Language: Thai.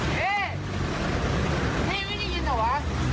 พี่พี่ไม่ได้ยินเหรอวะ